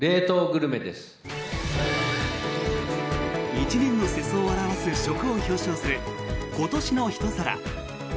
１年の世相を表す食を表彰する今年の一皿。